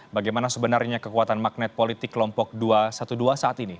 bagaimana sebenarnya kekuatan magnet politik kelompok dua ratus dua belas saat ini